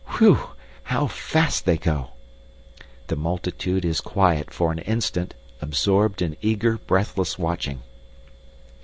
Whew! How fast they go! The multitude is quiet for an instant, absorbed in eager, breathless watching.